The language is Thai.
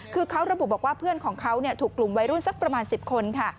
คือเขาระบุบอกว่าเพื่อนของเขาถูกกลุ่มวัยรุ่นสักประมาณ๑๐คนค่ะ